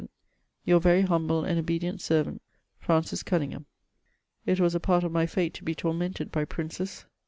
*' Tour very humble and obedient servant^ *' Francis CoNrNGHAsc" It was a part of my fate to be tormented by princes.